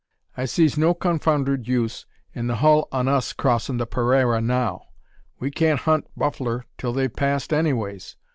"I sees no confoundered use in the hul on us crossin' the paraira now. We kan't hunt buffler till they've passed, anyways.